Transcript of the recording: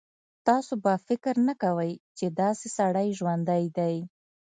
تاسو به فکر نه کوئ چې داسې سړی ژوندی دی.